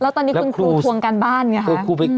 แล้วตอนนี้คุณครูทวงการบ้านไงคะ